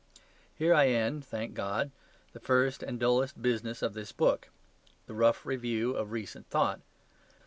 Here I end (thank God) the first and dullest business of this book the rough review of recent thought.